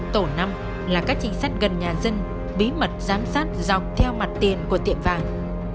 tổ năm là các trinh sát gần nhà dân bí mật giám sát dọc theo mặt tiền của tiệm vàng